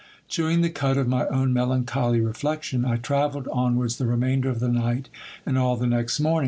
Chewing the cud of my own melancholy reflection, I travelled onwards the remainder of the night and all the next morning.